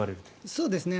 そうですね。